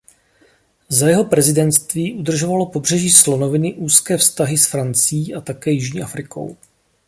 Za jeho prezidentství udržovalo Pobřeží slonoviny úzké vztahy s Francií a také Jižní Afrikou.